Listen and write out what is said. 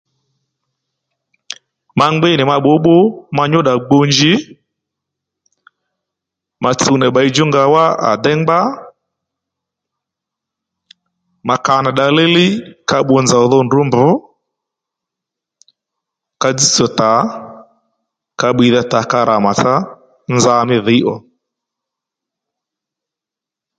Ma ngbí nì ma bbǔwbbúw ma nyúddà gbu njǐ ma tsuw nì bbayi djú nga wá à déy ngbá ma ka nì dda líylíy ka bbu nzòw dho ndrǔ mbr ka dzź tsò tà ka bbiydha tà ka rà màtsá ngá nza mí dhǐy ò